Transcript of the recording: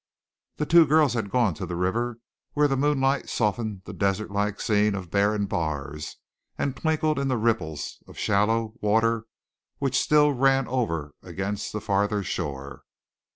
The two girls had gone to the river, where the moonlight softened the desert like scene of barren bars, and twinkled in the ripples of shallow water which still ran over against the farther shore.